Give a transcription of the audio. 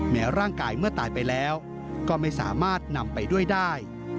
ร่างกายเมื่อตายไปแล้วก็ไม่สามารถนำไปด้วยได้